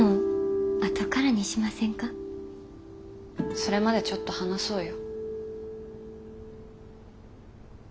それまでちょっと話そうよ。